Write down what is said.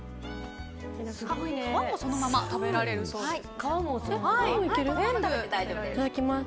皮もそのまま食べられるそうです。